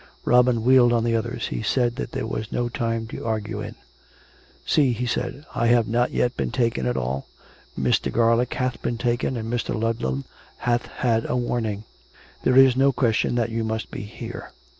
Robin wheeled on the others. He said that there was no time to argue in. 392 COME RACK! COME ROPE! " See !" he said. " I have not yet been taken at all. Mr. Garlick hath been taken; and Mr. Ludlam hath had a warning. There is no question that you must be here."